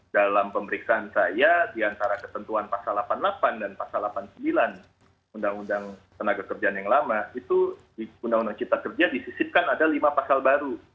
dalam pemeriksaan saya diantara ketentuan pasal delapan puluh delapan dan pasal delapan puluh sembilan undang undang tenaga kerjaan yang lama itu di undang undang cipta kerja disisipkan ada lima pasal baru